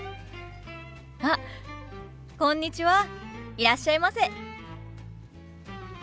いらっしゃいませ。